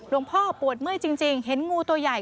พ่อปวดเมื่อยจริงเห็นงูตัวใหญ่